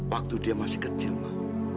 waktu dia masih kecil mah